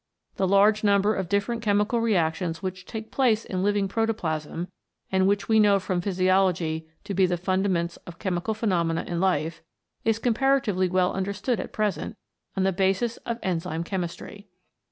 The large number of different chemical reactions which take place in living protoplasm, and which we know from physiology to be the fundaments of chemical phenomena in life, is comparatively well understood at present on the basis of enzyme chemistry.